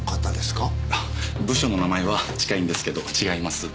部署の名前は近いんですけど違います。